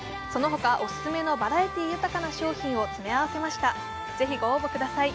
その他オススメのバラエティー豊かな商品を詰め合わせました。